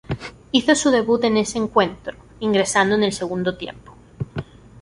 Hizo su debut en ese encuentro, ingresando en el segundo tiempo.